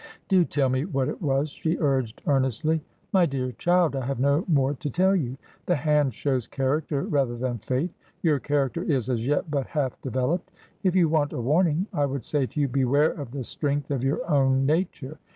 ' Do tell me what it was,' she urged earnestly. ' My dear child, I have no more to tell you. The hand shows character rather than fate. Your character is as yet but half developed. If you want a warning, I would say to you : Beware of the strength of your own nature.